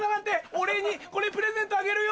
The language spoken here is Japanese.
お礼にこれプレゼントあげるよ！